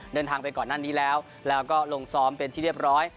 เดินทางไปก่อนหน้านี้แล้วแล้วก็ลงซ้อมเป็นที่เรียบร้อย